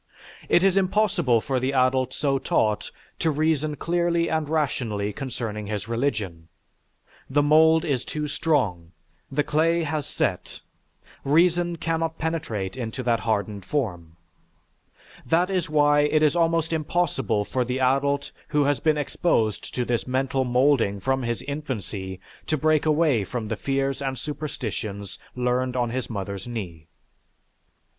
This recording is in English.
It is impossible for the adult so taught to reason clearly and rationally concerning his religion; the mould is too strong, the clay has set, reason cannot penetrate into that hardened form. That is why it is almost impossible for the adult who has been exposed to this mental moulding from his infancy to break away from the fears and superstitions learned on his mother's knee.